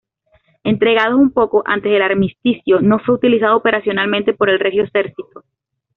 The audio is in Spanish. Entregados un poco antes del armisticio no fue utilizado operacionalmente por el Regio Esercito.